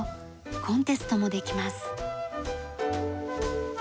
コンテストもできます。